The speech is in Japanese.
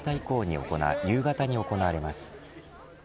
夕方に行われます。